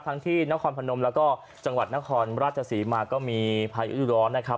ที่นครพนมแล้วก็จังหวัดนครราชศรีมาก็มีพายุร้อนนะครับ